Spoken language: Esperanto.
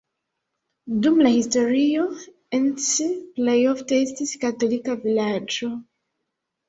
Dum la historio Encs plej ofte estis katolika vilaĝo.